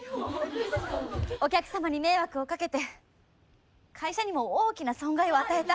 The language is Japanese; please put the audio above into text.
お客様に迷惑をかけて会社にも大きな損害を与えた。